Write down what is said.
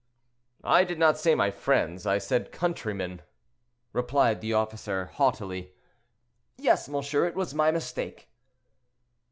"I did not say my friends, I said countrymen," replied the officer, haughtily. "Yes, monsieur, it was my mistake."